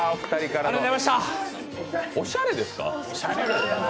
おしゃれですか？